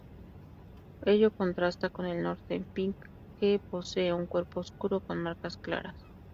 Ello contrasta con el northern pike que posee un cuerpo oscuro con marcas claras.